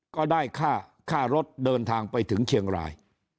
ก็ได้ค่ารถเดินทางไปถึงเชียงราย